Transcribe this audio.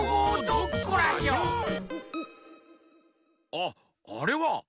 あっあれは！